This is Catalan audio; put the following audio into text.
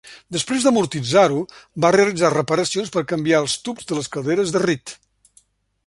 Després d'amortitzar-ho, va realitzar reparacions per canviar els tubs de les calderes de Reed.